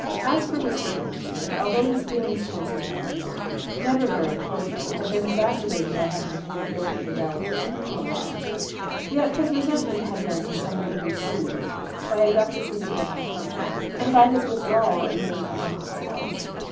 As for Mr. Dormer Smith, although his feelings towards his brother in law never very cordial had been exacerbated by having to pay the bill for the dowager's funeral expenses, yet his resentment had been to some degree soothed by Augustus's abrupt departure, and by his withdrawal of May from her aunt's house.